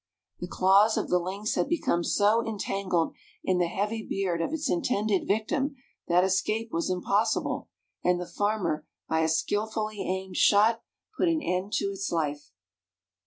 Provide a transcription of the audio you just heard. The claws of the lynx had become so entangled in the heavy beard of its intended victim that escape was impossible, and the farmer by a skillfully aimed shot put an end to its life.